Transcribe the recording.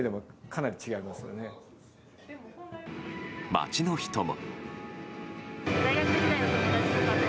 街の人も。